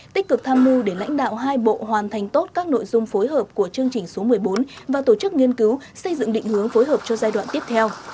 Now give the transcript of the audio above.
tích cực tham mưu để lãnh đạo hai bộ hoàn thành tốt các nội dung phối hợp của chương trình số một mươi bốn và tổ chức nghiên cứu xây dựng định hướng phối hợp cho giai đoạn tiếp theo